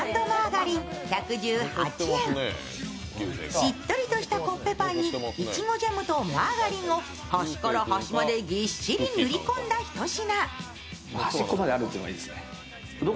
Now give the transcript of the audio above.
しっとりしたコッペパンに苺ジャムとマーガリンを端から端までギッシリ塗り込んだ一品。